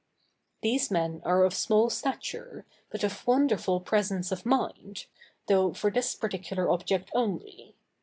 These men are of small stature, but of wonderful presence of mind, though for this particular object only.